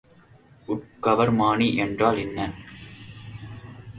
உட்கவர்மானி என்றால் என்ன?